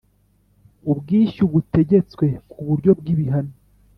ubwishyu butegetswe ku buryo bw’ibihano